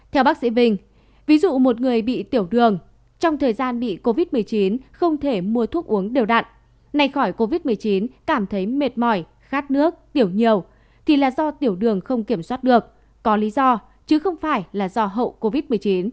theo bác sĩ vinh ví dụ một người bị tiểu đường trong thời gian bị covid một mươi chín không thể mua thuốc uống đều đặn nay khỏi covid một mươi chín cảm thấy mệt mỏi khát nước tiểu nhiều thì là do tiểu đường không kiểm soát được có lý do chứ không phải là do hậu covid một mươi chín